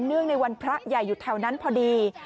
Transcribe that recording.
ในวันพระใหญ่อยู่แถวนั้นพอดี